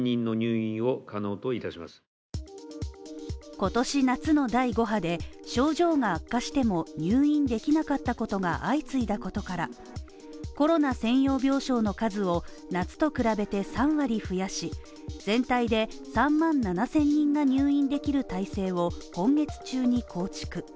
今年夏の第５波で症状が悪化しても入院できなかったことが相次いだことから、コロナ専用病床の数を、夏と比べて３割増やし、全体で３万７０００人が入院できる体制を今月中に構築